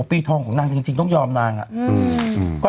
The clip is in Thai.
พี่ท่องของนางจริงจริงต้องยอมนางอ่ะ